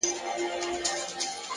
پوهه د ذهن تیاره کونجونه روښانوي’